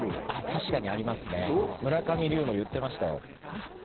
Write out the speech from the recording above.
確かにありますね村上龍も言ってましたよ。